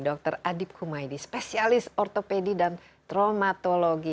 dr adib humaydi spesialis ortopedi dan traumatologi